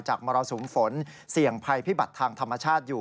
มรสุมฝนเสี่ยงภัยพิบัติทางธรรมชาติอยู่